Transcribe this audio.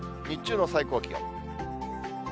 日中の最高気温。